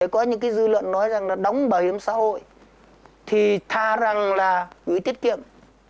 có những dư luận nói rằng đóng bảo hiểm xã hội thì tha rằng là gửi tiết kiệm